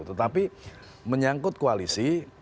tetapi menyangkut koalisi